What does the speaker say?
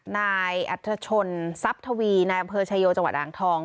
นายอัธชนทรัพย์ทวีนายอำเภอชายโยจังหวัดอ่างทอง